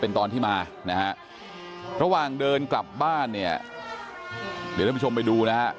เป็นตอนที่มานะฮะระหว่างเดินกลับบ้านเนี่ยเดี๋ยวท่านผู้ชมไปดูนะฮะ